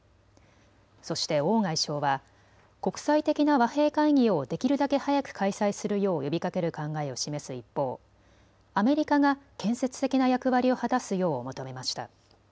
そして王外相は国際的な和平会議をできるだけ早く開催するよう呼びかける考えを示す一方、アメリカが建設的な役割を果たすよう求めました。